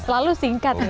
lalu singkat ya